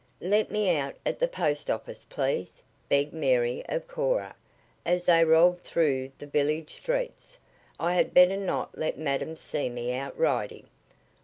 "Let me out at the post office, please," begged Mary of Cora, as they rolled through the village streets. "I had better not let madam see me out riding."